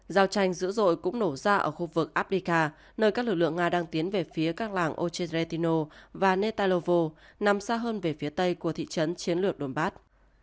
giao tranh dữ dội cũng nổ ra ở khu vực abdica nơi các lực lượng nga đang tiến về phía các làng ocheretino và netanovo nằm xa hơn về phía tây của thị trấn chiến lược donbat